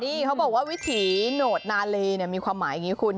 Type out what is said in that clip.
นี่เขาบอกว่าวิถีโหนดนาเลมีความหมายอย่างนี้คุณ